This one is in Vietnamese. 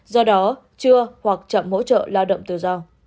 do đó chưa hoặc chậm hỗ trợ lao động tự do